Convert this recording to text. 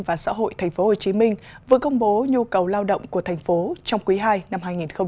và xã hội tp hcm vừa công bố nhu cầu lao động của thành phố trong quý ii năm hai nghìn hai mươi